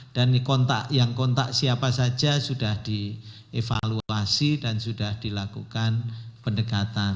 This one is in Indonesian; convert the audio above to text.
dan yang kontak siapa saja sudah dievaluasi dan sudah dilakukan pendekatan